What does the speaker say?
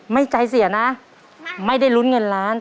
ไม่ใจเสียนะไม่ได้ลุ้นเงินล้าน